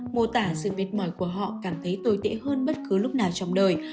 mô tả sự mệt mỏi của họ cảm thấy tồi tệ hơn bất cứ lúc nào trong đời